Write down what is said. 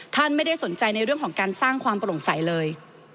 ไม่ได้สนใจในเรื่องของการสร้างความโปร่งใสเลย